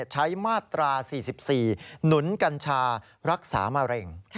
ใช้มาตรา๔๔หนุนกัญชารักษามะเร็ง